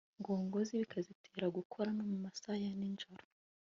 ngogozi bikaziteza gukora no mu masaha ya nijoro